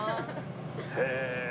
へえ！